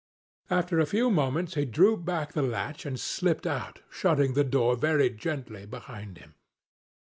After a few moments he drew back the latch and slipped out, shutting the door very gently behind him.